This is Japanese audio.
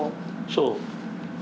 そう。